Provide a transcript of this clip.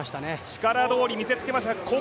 力どおり見せつけました。